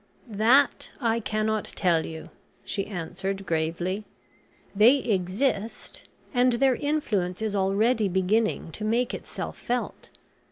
"That I cannot tell you," she answered, gravely. "They exist, and their influence is already beginning to make itself felt.